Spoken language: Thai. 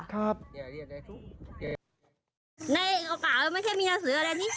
ได้โอกาสเอาไม่ใช่มีนักสืออะไรนี่